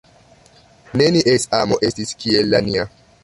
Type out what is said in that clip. Nenies amo estis kiel la nia.